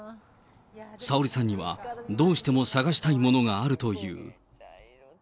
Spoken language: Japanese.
さおりさんにはどうしても捜したいものがあるという。